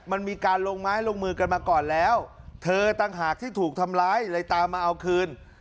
มันมีการลงไม้ลงมือกันมาก่อนแล้วเธอต่างหากที่ถูกทำร้ายเลยตามมาเอาคืน